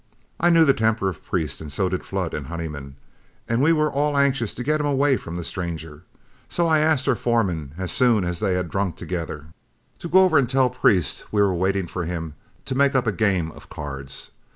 I knew the temper of Priest, and so did Flood and Honeyman, and we were all anxious to get him away from the stranger. So I asked our foreman as soon as they had drunk together, to go over and tell Priest we were waiting for him to make up a game of cards.